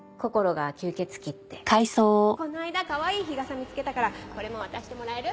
この間かわいい日傘見つけたからこれも渡してもらえる？